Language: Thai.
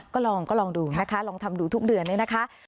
ก็ลองก็ลองดูนะคะลองทำดูทุกเดือนเนี่ยนะคะ